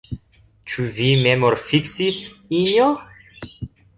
Ĉu vi memorfiksis, Injo?